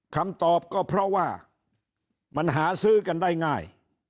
คำตอบก็เพราะว่ามันหาซื้อกันได้ง่าย